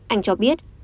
anh cho biết